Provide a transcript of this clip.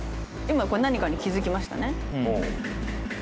今何かに気付きましたね。